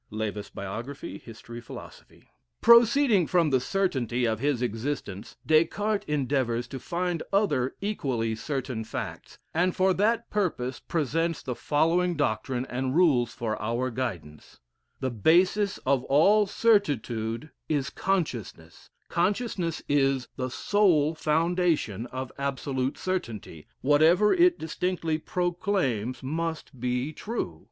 (Lewes's Bio. Hist. Phil.) Proceeding from the certainty of his existence, Des Cartes endeavors to rind other equally certain tacts, and for that purpose presents the following doctrine and rules for our guidance: The basis of all certitude is consciousness, consciousness is the sole foundation of absolute certainty, whatever it distinctly proclaims must be true.